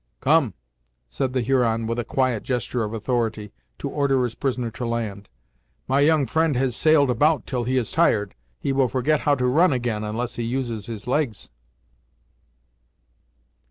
"Come," said the Huron with a quiet gesture of authority, to order his prisoner to land, "my young friend has sailed about till he is tired; he will forget how to run again, unless he uses his legs."